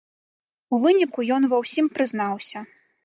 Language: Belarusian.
У выніку ён ва ўсім прызнаўся.